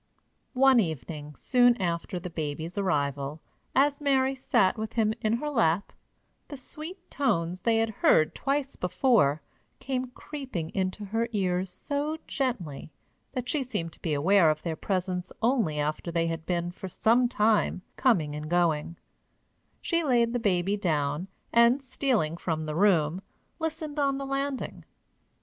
One evening, soon after the baby's arrival, as Mary sat with him in her lap, the sweet tones they had heard twice before came creeping into her ears so gently that she seemed to be aware of their presence only after they had been for some time coming and going: she laid the baby down, and, stealing from the room, listened on the landing.